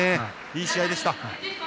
いい試合でした。